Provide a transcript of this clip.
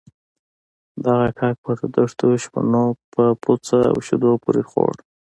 دغه کاک به د دښتو شپنو په پوڅه او شيدو پورې خوړ.